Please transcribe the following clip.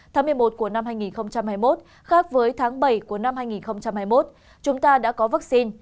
tháng một mươi một của năm hai nghìn hai mươi một khác với tháng bảy của năm hai nghìn hai mươi một chúng ta đã có vaccine